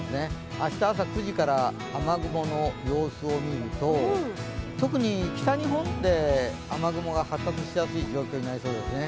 明日朝９時から雨雲の様子を見ると、特に北日本で雨雲が発達しやすい状況になりそうですね。